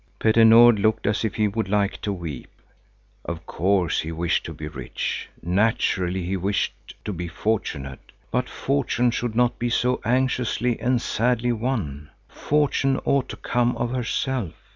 Petter Nord looked as if he would like to weep. Of course he wished to be rich, naturally he wished to be fortunate, but fortune should not be so anxiously and sadly won. Fortune ought to come of herself.